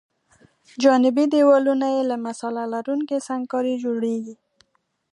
جانبي دیوالونه یې له مصالحه لرونکې سنګ کارۍ جوړیږي